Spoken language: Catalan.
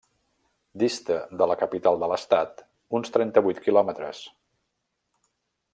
Dista de la capital de l'estat uns trenta-vuit quilòmetres.